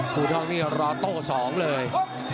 ภูเท้านี่ก็รอโต้๒เลย